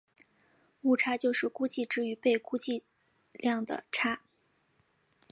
误差就是估计值与被估计量的差。